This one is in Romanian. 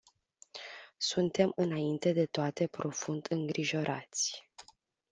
Suntem înainte de toate profund îngrijorați.